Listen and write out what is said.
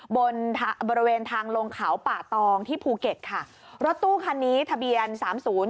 บริเวณทางลงเขาป่าตองที่ภูเก็ตค่ะรถตู้คันนี้ทะเบียนสามศูนย์